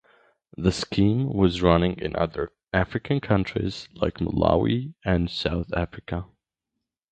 The scheme was running in other African countries like Malawi and South Africa.